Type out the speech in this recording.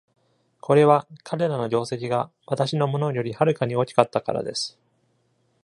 これは彼らの業績が私のものよりはるかに大きかったからです。